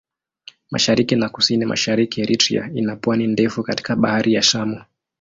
Mashariki na Kusini-Mashariki Eritrea ina pwani ndefu katika Bahari ya Shamu.